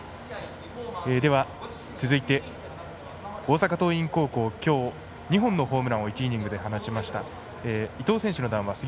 では、続いて大阪桐蔭高校きょう、２本のホームランを１イニングで放ちました伊藤選手の談話